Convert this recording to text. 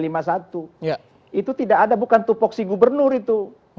itu tidak ada bukan tupok si gubernur itu